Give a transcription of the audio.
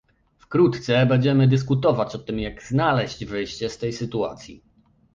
Wkrótce będziemy dyskutować o tym, jak znaleźć wyjście z tej sytuacji